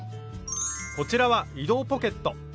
こちらは移動ポケット。